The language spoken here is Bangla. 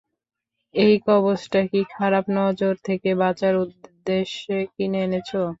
এই কবজটা কি খারাপ নজর থেকে বাঁচার উদ্দেশ্যে কিনে এনেছ?